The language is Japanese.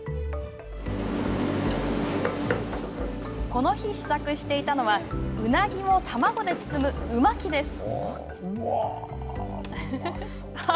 この日、試作していたのはうなぎを卵で包む、う巻きです。